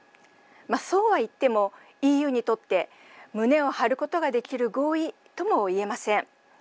そうはいっても、ＥＵにとって胸を張ることができる合意ともいえません。